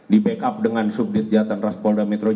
di backup dengan subdet jahatan ras polda metro jaya